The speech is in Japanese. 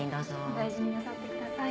お大事になさってください。